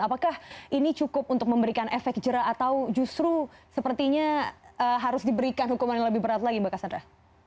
apakah ini cukup untuk memberikan efek jerah atau justru sepertinya harus diberikan hukuman yang lebih berat lagi mbak cassandra